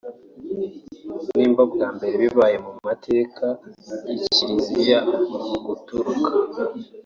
nibwo bwa mbere bibaye mu mateka ya Kiliziya Gaturika